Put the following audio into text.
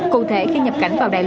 cụ thể khi nhập cảnh vào đại dịch